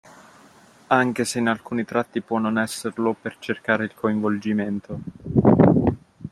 Anche se in alcuni tratti può non esserlo per cercare il coinvolgimento.